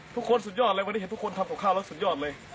สุดยอดเลยวันนี้เห็นทุกคนทำกับข้าวแล้วสุดยอดเลย